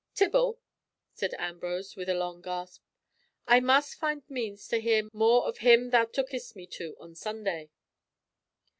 "Tibble!" said Ambrose, with a long gasp, "I must find means to hear more of him thou tookedst me to on Sunday."